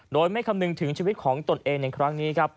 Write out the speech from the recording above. โดยไม่คำนึงถึงชีวิตของตนเองในครั้งนี้ครับ